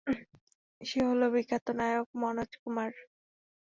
সে হলো বিখ্যাত নায়ক মনোজ কুমার।